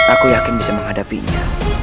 aku yakin bisa menghadapinya